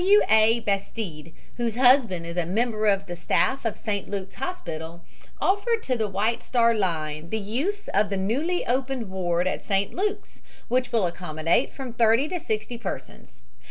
W. A. Bastede, whose husband is a member of the staff of St. Luke's Hospital, offered to the White Star Line the use of the newly opened ward at St. Luke's, which will accommodate from thirty to sixty persons.